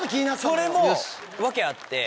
それも訳あって。